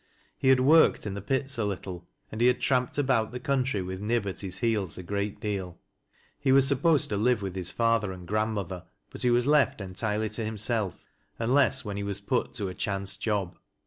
He had worked in the pits a little, and he had tramped about the country with Wih at his heels a great deal. He was supposed to live with hie father and grandmother, but he was left entirely to him self, unless when he was put to a chance job.